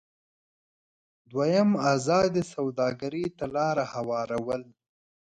دویم: ازادې سوداګرۍ ته لار هوارول.